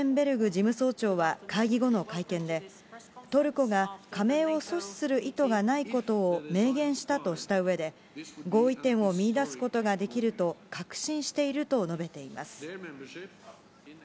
事務総長は会議後の会見で、トルコが加盟を阻止する意図がないことを明言したとしたうえで、合意点を見いだすことができると確信していると述べています。